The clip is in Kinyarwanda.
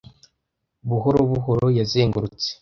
buhoro buhoro yazengurutse